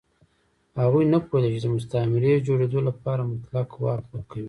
هغوی نه پوهېدل چې د مستعمرې جوړېدو لپاره مطلق واک ورکوي.